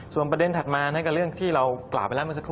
ส่วนประเด็นถัดมานั่นก็เรื่องที่เรากล่าวไปแล้วเมื่อสักครู่